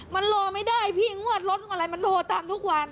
มันรอไม่ได้พี่งวดรถของอะไรมันโทรตามทุกวัน